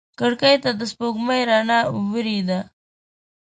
کړکۍ ته د سپوږمۍ رڼا ورېده.